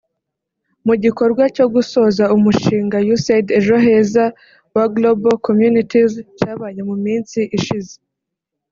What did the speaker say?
Mu gikorwa cyo gusoza umushinga ‘Usaid Ejo Heza’ wa Global Communities cyabaye mu minsi ishize